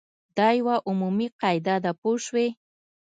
دا یوه عمومي قاعده ده پوه شوې!.